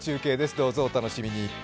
どうぞお楽しみに。